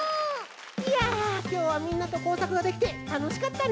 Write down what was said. いやきょうはみんなと工作ができてたのしかったね。